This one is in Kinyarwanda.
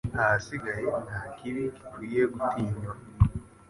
ahasigaye nta kibi gikwiye gutinywa